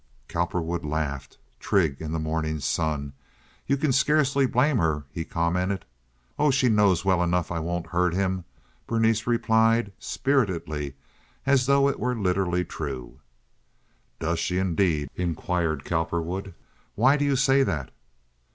Cowperwood laughed—trig in the morning sun. "You can scarcely blame her," he commented. "Oh, she knows well enough I wouldn't hurt him," Berenice replied, spiritedly, as though it were literally true. "Does she, indeed?" inquired Cowperwood. "Why do you say that?"